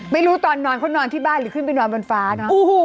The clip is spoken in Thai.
ไม่รู้ตอนนอนเขานอนที่บ้านหรือขึ้นไปนอนบนฟ้าเนอะ